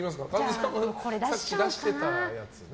さっき出してたやつね。